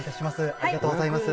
ありがとうございます」